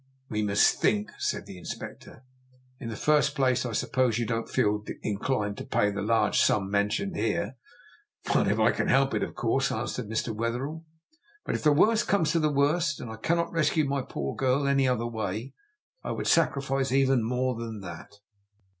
"We must think," said the Inspector. "In the first place, I suppose you don't feel inclined to pay the large sum mentioned here?" "Not if I can help it, of course," answered Wetherell. "But if the worst comes to the worst, and I cannot rescue my poor girl any other way, I would sacrifice even more than that."